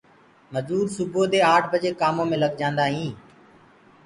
مجور سبوو دي آٺ بجي ڪآمو مي لگ جآنٚدآئينٚ